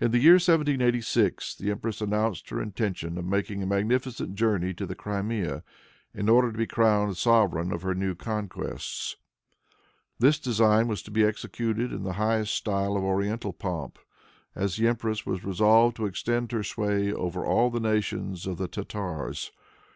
In the year 1786 the empress announced her intention of making a magnificent journey to the Crimea, in order to be crowned sovereign of her new conquests. This design was to be executed in the highest style of oriental pomp, as the empress was resolved to extend her sway over all the nations of the Tartars.